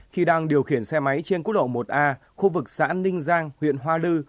khi đang điều khiển xe máy trên quốc lộ một a khu vực xã ninh giang huyện hoa lư